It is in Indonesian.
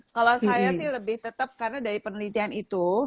kalau saya sih lebih tetap karena dari penelitian itu